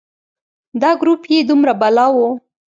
دا ګروپ یې دومره بلا و.